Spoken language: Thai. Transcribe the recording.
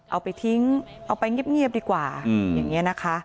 เอาไปทิ้งเอาไปเงียบดีกว่าอย่างนี้นะคะ